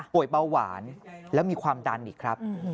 ป่วยเป้าหวานและมีความดันอีกครับ